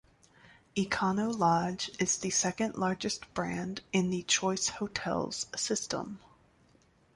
Econo Lodge is the second-largest brand in the Choice Hotels system.